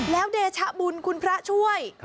แล้วเดชะบุญคุณพระช่วย